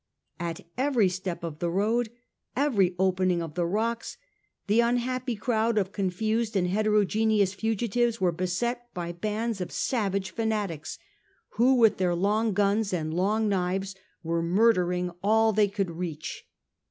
At every step of the road, every opening of the rocks, the un happy crowd of confused and heterogeneous fugitives were beset by bands of savage fanatics, who with their long guns and long knives were murdering all 252 A . HISTORY OP OUR OWN TIMES. CH. XI. they could reach.